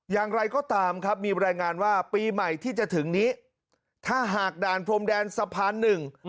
อย่างไรก็ตามครับมีรายงานว่าปีใหม่ที่จะถึงนี้ถ้าหากด่านพรมแดนสะพานหนึ่ง